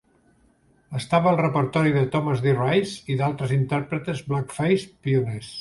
Estava al repertori de Thomas D. Rice i d'altres intèrprets "blackface" pioners.